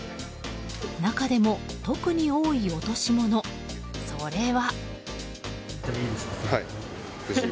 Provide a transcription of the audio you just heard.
中でも特に多い落とし物それは。